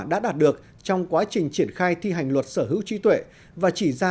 đã đạt được trong quá trình triển khai thi hành luật sở hữu trí tuệ và chỉ ra